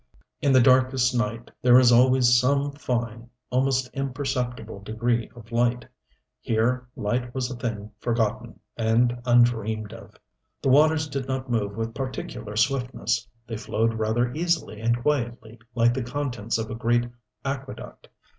In the darkest night there is always some fine, almost imperceptible degree of light. Here light was a thing forgotten and undreamed of. The waters did not move with particular swiftness. They flowed rather easily and quietly, like the contents of a great aqueduct.